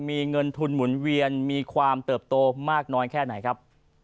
มีเงินทุนหมุนเวียนมีความเติบโตมากน้อยแค่ไหนครับ